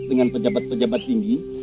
dengan pejabat pejabat tinggi